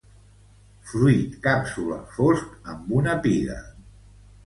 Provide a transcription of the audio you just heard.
Fruit càpsula fosc amb una piga.